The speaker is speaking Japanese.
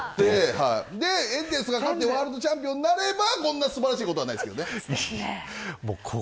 エンゼルスがワールドチャンピオンになればこんな素晴らしいことはないです。